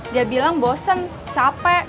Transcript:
dia bilang bosen capek